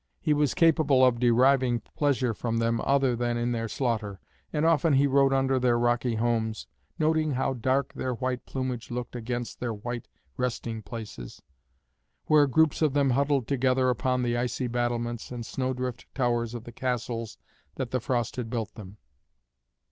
He was capable of deriving pleasure from them other than in their slaughter, and often he rode under their rocky homes, noting how dark their white plumage looked against their white resting places, where groups of them huddled together upon the icy battlements and snowdrift towers of the castles that the frost had built them.